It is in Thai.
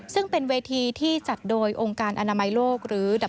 ซึ่งเป็นเวทีที่จัดโดยองค์การอนามัยโลกหรือดับ